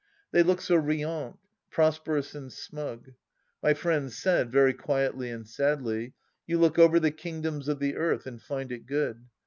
They looked so riante, prosperous and smug. ... My friend said, very quietly and sadly :" You look over the kingdoms of the earth and find it good.